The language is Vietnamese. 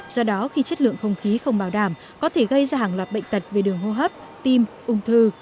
do đó khi chất lượng không khí không bảo đảm có thể gây ra hàng loạt bệnh tật về đường hô hấp tim ung thư